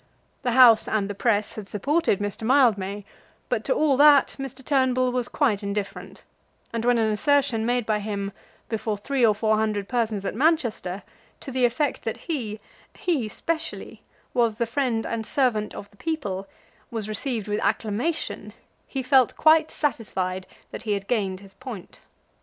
The House and the press had supported Mr. Mildmay, but to all that Mr. Turnbull was quite indifferent; and when an assertion made by him before three or four thousand persons at Manchester, to the effect that he, he specially, was the friend and servant of the people, was received with acclamation, he felt quite satisfied that he had gained his point.